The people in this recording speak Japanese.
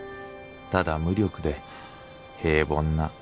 ただ無力で平凡な。